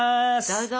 どうぞ！